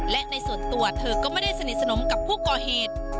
และในส่วนตัวเธอก็ไม่ได้สนิทสนมกับผู้ก่อเหตุ